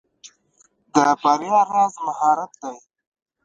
د بریا راز مهارت دی.